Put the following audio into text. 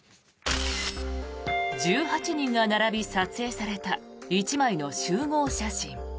１８人が並び撮影された１枚の集合写真。